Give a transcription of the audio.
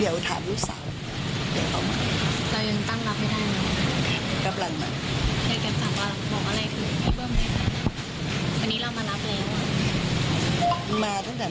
เดี๋ยวถามสุศาคมอยู่ดีกว่าเขาไม่ได้